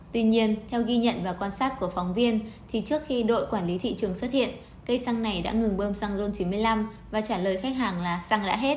tuy nhiên theo ghi nhận và quan sát của phóng viên thì trước khi đội quản lý thị trường xuất hiện cây xăng này đã ngừng bơm xăng ron chín mươi năm và trả lời khách hàng là xăng đã hết